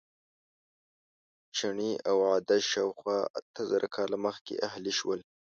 چڼې او عدس شاوخوا اته زره کاله مخکې اهلي شول.